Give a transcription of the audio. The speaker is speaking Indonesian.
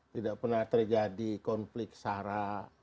tidak pernah terjadi konflik sarah